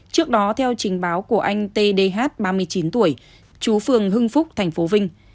trước đó theo trình báo của anh t d h ba mươi chín tuổi chú phường hưng phúc tp vinh